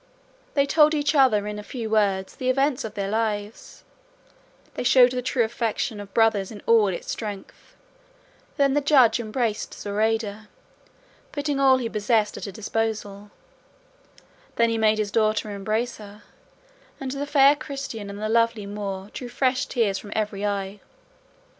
They told each other in a few words the events of their lives; they showed the true affection of brothers in all its strength; then the judge embraced Zoraida, putting all he possessed at her disposal; then he made his daughter embrace her, and the fair Christian and the lovely Moor drew fresh tears from every eye.